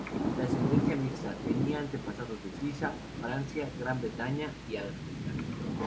De ascendencia mixta, tenía antepasados de Suiza, Francia, Gran Bretaña y África.